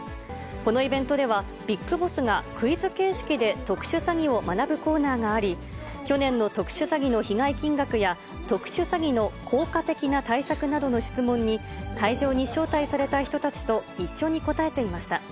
このイベントでは、ＢＩＧＢＯＳＳがクイズ形式で特殊詐欺を学ぶコーナーがあり、去年の特殊詐欺の被害金額や、特殊詐欺の効果的な対策などの質問に、会場に招待された人たちと一緒に答えていました。